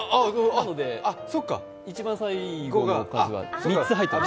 なので、一番最後のは３つ入ってます。